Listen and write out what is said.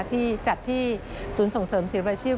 ที่จัดที่ศูนย์ส่งเสริมศิลปรายชีพ